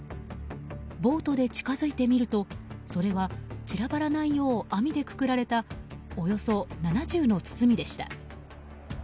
ボートで近づいてみると、それは散らばらないよう網でくくられたおよそ７０の包みでした。